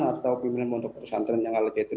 atau pemimpinan untuk pesantren yang aligatun